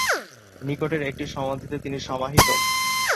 নিকটেই একটি সমাধিতে তিনি সমাহিত।